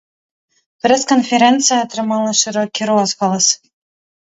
Прэс-канферэнцыя атрымала шырокі розгалас.